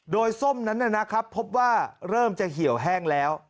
โดยส้มนั้นนะครับพบว่าเริ่มจะเหี่ยวแห้งแล้ว